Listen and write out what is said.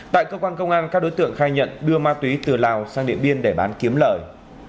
tại cơ quan công an các đối tượng khai nhận đưa ma túy từ lào sang điện biên để bán kiếm lời